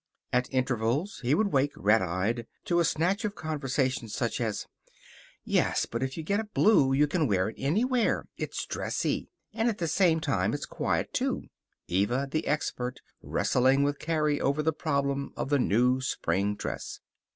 At intervals he would wake, red eyed, to a snatch of conversation such as, "Yes, but if you get a blue you can wear it anywhere. It's dressy, and at the same time it's quiet, too." Eva, the expert, wrestling with Carrie over the problem of the new spring dress.